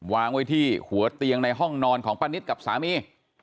วางไว้ที่หัวเตียงในห้องนอนของป้านิตกับสามี